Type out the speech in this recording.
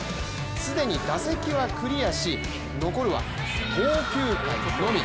既に打席はクリアし残るは投球回のみ。